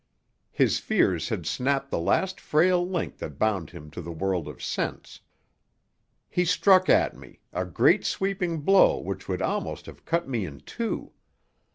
His fears had snapped the last frail link that bound him to the world of sense. He struck at me, a great sweeping blow which would almost have cut me in two.